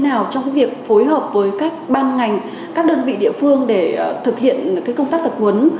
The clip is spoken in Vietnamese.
nào trong việc phối hợp với các ban ngành các đơn vị địa phương để thực hiện các công tác tập huấn